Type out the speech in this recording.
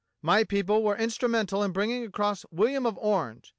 My people were instrumental in bringing across William of Orange.